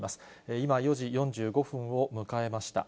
今、４時４５分を迎えました。